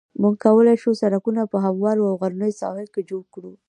موږ کولای شو سرکونه په هموارو او غرنیو ساحو کې جوړ کړو